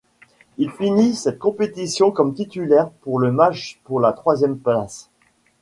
Il finit cette compétition comme titulaire pour le match pour la troisième place.